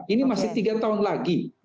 ini masih tiga tahun lagi